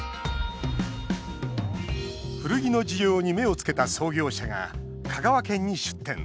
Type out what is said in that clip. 古着の需要に目をつけた創業者が香川県に出店。